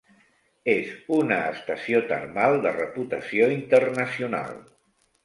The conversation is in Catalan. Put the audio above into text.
És una estació termal de reputació internacional.